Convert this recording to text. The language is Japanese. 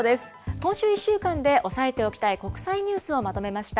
今週１週間で押さえておきたい国際ニュースをまとめました。